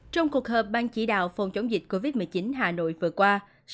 trong cuộc họp ban chỉ đạo phòng chống dịch covid một mươi chín hà nội vừa qua